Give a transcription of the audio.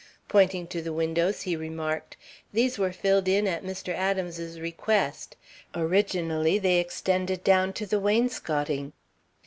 Pointing to the windows, he remarked: "These were filled in at Mr. Adams's request. Originally they extended down to the wainscoting."